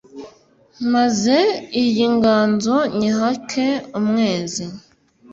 maze iyi nganzo nyihake umwezi